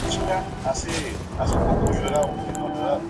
Etimológicamente: "Psilocybe" viene del gr.